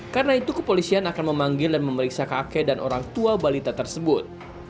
karena itu kepolisian akan memanggil dan memeriksa kakek dan orang tua balita tersebut